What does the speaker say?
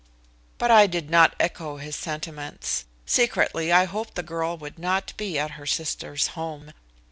But I did not echo his sentiments. Secretly I hoped the girl would not be at her sister's home.